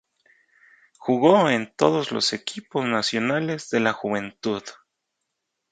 Jugó en todos los equipos nacionales de la juventud.